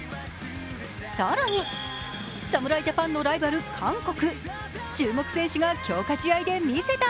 更に、侍ジャパンのライバル韓国。